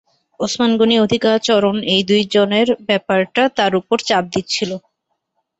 ওসমান গনি-অধিকাচরণ এই দু জনের ব্যাপারটা তাঁর ওপর চাপ দিচ্ছিল।